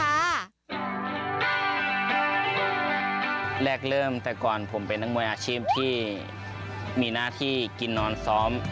แรกเริ่มแต่ก่อนผมเป็นนักมวยอาชีพที่มีหน้าที่กินนอนซ้อม